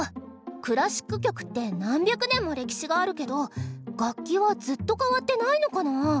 クラシック曲って何百年も歴史があるけど楽器はずっと変わってないのかな？